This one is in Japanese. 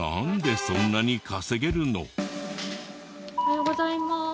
おはようございます。